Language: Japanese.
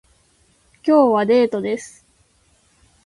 今日はデートです